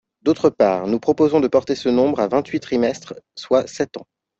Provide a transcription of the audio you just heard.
D’autre part, nous proposons de porter ce nombre à vingt-huit trimestres, soit sept ans.